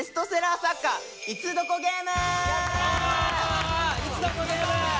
題して「いつどこゲーム」！